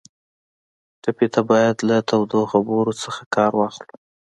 ټپي ته باید له تودو خبرو نه کار واخلو.